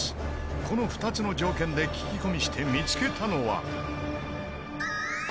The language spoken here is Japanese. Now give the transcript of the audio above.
この２つの条件で聞き込みして見付けたのは。